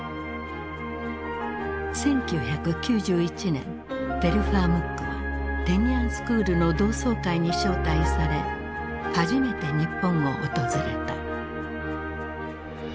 １９９１年テルファー・ムックはテニアンスクールの同窓会に招待され初めて日本を訪れた。